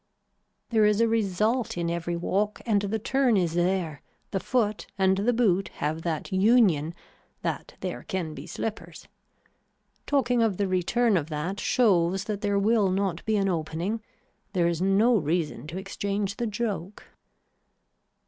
There is a result in every walk and the turn is there, the foot and the boot have that union that there can be slippers. Talking of the return of that shows that there will not be an opening. There is no reason to exchange the joke.